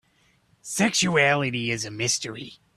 Sexuality is a mystery.